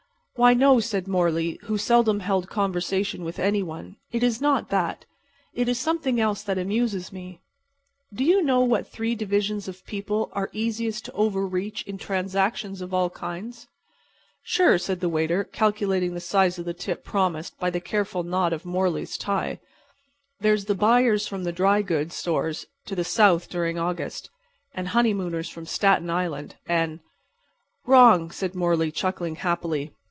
"Why, no," said Morley, who seldom held conversation with any one. "It is not that. It is something else that amuses me. Do you know what three divisions of people are easiest to over reach in transactions of all kinds?" "Sure," said the waiter, calculating the size of the tip promised by the careful knot of Morley's tie; "there's the buyers from the dry goods stores in the South during August, and honeymooners from Staten Island, and"— "Wrong!" said Morley, chuckling happily.